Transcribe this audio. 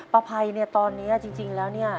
ภัยเนี่ยตอนนี้จริงแล้วเนี่ย